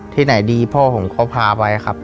ที่ไหนดีพ่อผมเขาพาไปครับ